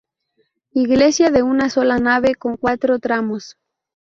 Iglesia de una sola nave con cuatro tramos.